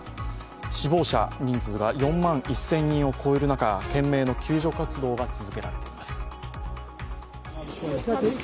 死亡者人数が４万１０００人を超える中懸命の救助活動が続けられています。